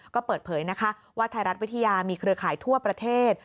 ก็เปิดเผยนะคะว่าไทยรัฐวิทยามีเครือข่ายทั่วประเทศ